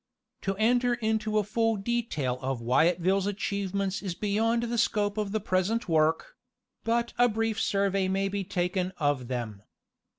To enter into a full detail of Wyatville's achievements is beyond the scope of the present work; but a brief survey may be taken of them.